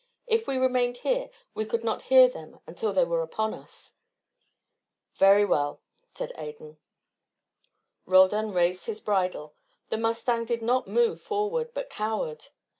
If we remained here, we could not hear them until they were upon us." "Very well," said Adan. Roldan raised his bridle. The mustang did not move forward, but cowered.